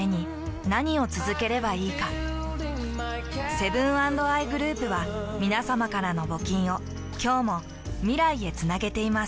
セブン＆アイグループはみなさまからの募金を今日も未来へつなげています。